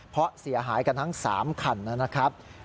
เพราะเสียหายกันทั้ง๓คันนะครับ